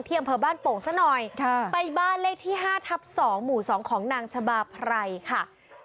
อำเภอบ้านโป่งซะหน่อยไปบ้านเลขที่๕ทับ๒หมู่๒ของนางชะบาไพรค่ะ